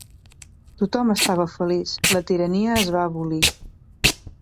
Tothom estava feliç, la tirania es va abolir.